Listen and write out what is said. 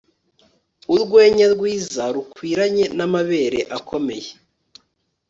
Urwenya rwiza rukwiranye namabere akomeye